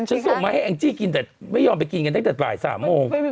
ฉันส่งมาให้แอ๊งจี้กินไม่ยอมไปกินกันแต่ปลายสามโทรธัน